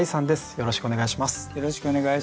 よろしくお願いします。